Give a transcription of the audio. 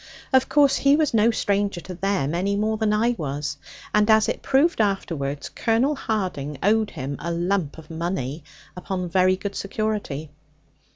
Of course he was no stranger to them, any more than I was; and, as it proved afterwards, Colonel Harding owed him a lump of money, upon very good security.